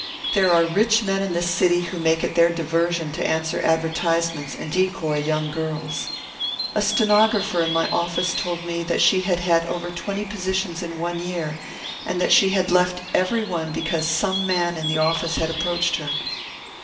There are rich men in this city who make it their diversion to answer advertisements and decoy young girls. A stenographer in my office told me that she had had over twenty positions in one year, and that she had left every one because some man in the office had approached her."